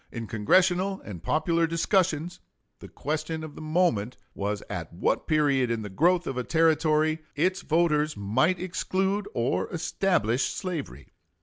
In Congressional and popular discussions the question of the moment was at what period in the growth of a Territory its voters might exclude or establish slavery.